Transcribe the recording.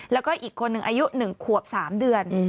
แล้วก็อีกคนหนึ่งอายุ๑ขวบ๓เดือน